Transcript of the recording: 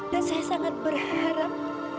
dan saya sangat berharap